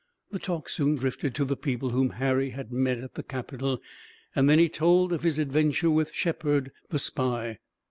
The talk soon drifted to the people whom Harry had met at the capital, and then he told of his adventure with Shepard, the spy.